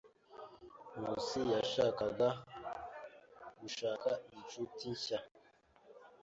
Nkusi yashakaga gushaka inshuti nshya.